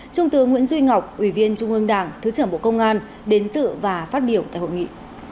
trung tướng nguyễn duy ngọc ủy viên trung ương đảng thứ trưởng bộ công an đến dự và phát biểu tại hội nghị